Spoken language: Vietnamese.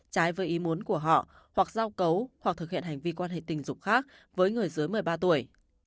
trái với ý muốn của họ hoặc giao cấu hoặc thực hiện hành vi quan hệ tình dục khác với người dưới một mươi ba tuổi